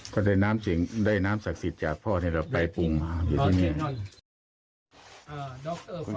ก็ได้น้ำสักศิษย์จากพ่อที่เราไปปรุงมาอยู่ที่นี่